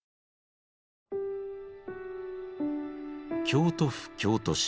京都府京都市。